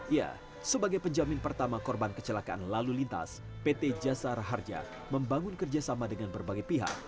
ya sebagai penjamin pertama korban kecelakaan lalu lintas pt jasara harja membangun kerjasama dengan berbagai pihak